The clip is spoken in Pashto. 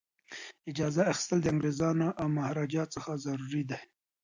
اجازه اخیستل د انګریزانو او مهاراجا څخه ضروري دي.